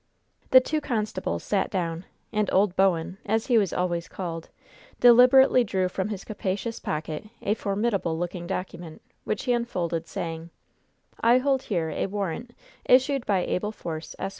The two constables sat down, and "Old Bowen," as he was always called, deliberately drew from his capacious pocket a formidable looking document, which he unfolded, saying: "I hold here a warrant issued by Abel Force, Esq.